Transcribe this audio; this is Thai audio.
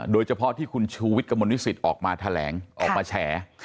โดยเฉพาะที่คุณชูวิทย์กับมนตรีศิษฐ์ออกมาแถลงออกมาแชร์